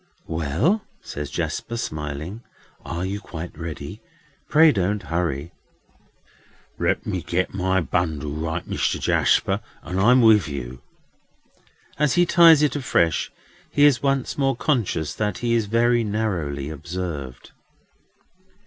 "Well?" says Jasper, smiling, "are you quite ready? Pray don't hurry." "Let me get my bundle right, Mister Jarsper, and I'm with you." As he ties it afresh, he is once more conscious that he is very narrowly observed.